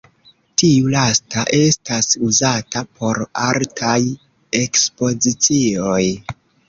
Tiu lasta estas uzata por artaj ekspozicioj.